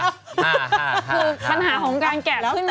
คือปัญหาของการแกะขึ้น